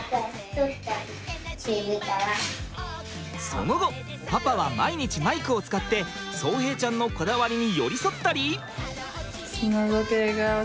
その後パパは毎日マイクを使って颯平ちゃんのこだわりに寄り添ったり。